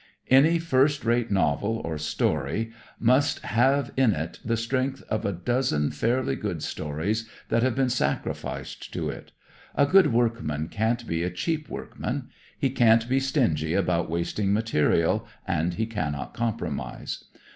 Any first rate novel or story must have in it the strength of a dozen fairly good stories that have been sacrificed to it. A good workman can't be a cheap workman; he can't be stingy about wasting material, and he cannot compromise.